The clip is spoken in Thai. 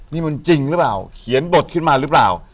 นี่มันจริงหรือเปล่าเขียนบทขึ้นมาหรือเปล่า